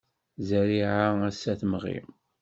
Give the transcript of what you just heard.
Zzeriεa ass-a temɣi.